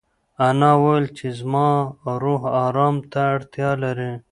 انا وویل چې زما روح ارام ته اړتیا لري.